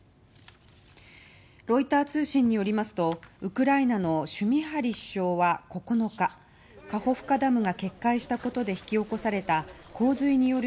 ロイター通信によりますとウクライナのシュミハリ首相は９日、カホフカダムが決壊したことで引き起こされた洪水による